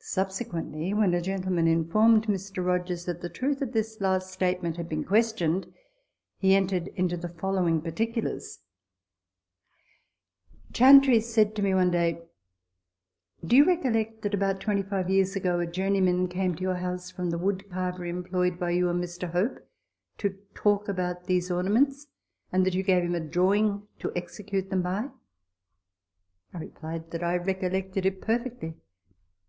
[Subsequently, when a gentleman informed Mr. Rogers that the truth of this last statement had been questioned, he entered into the following particulars: Chantrey said to me one day, " Do you recollect that, about twenty five years ago, a journeyman came to your house, from the woodcarver employed by you and Mr. Hope, to talk about these ornaments, and that you gave him a drawing to execute them by ?" I replied that I recollected it perfectly.